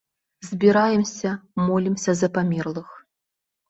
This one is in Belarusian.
Збіраемся, молімся за памерлых.